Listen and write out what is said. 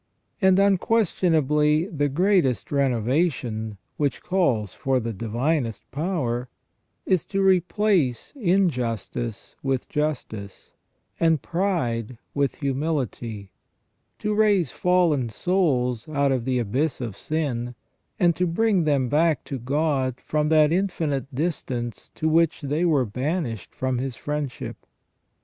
And unquestionably the greatest renovation, which calls for the divinest power, is to replace injustice with justice, and pride with humility ; to raise fallen souls out of the abyss of sin, and to bring them back to God from that infinite distance to which they were banished from His friendship.